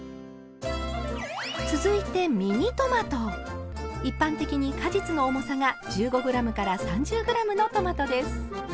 続いて一般的に果実の重さが１５ｇから３０ｇのトマトです。